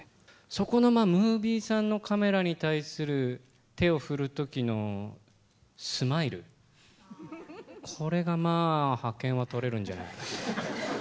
そこのムービーさんのカメラに対する、手を振るときのスマイル、これがまあ、覇権は取れるんじゃないかと。